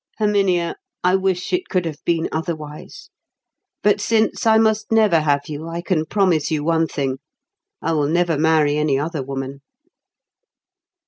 "Herminia, I wish it could have been otherwise. But since I must never have you, I can promise you one thing; I will never marry any other woman."